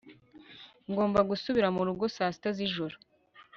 ngomba gusubira murugo saa sita z'ijoro